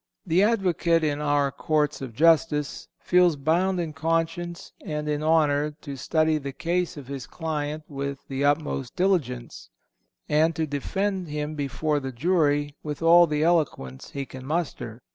The advocate in our courts of justice feels bound in conscience and in honor to study the case of his client with the utmost diligence, and to defend him before the jury with all the eloquence he can master.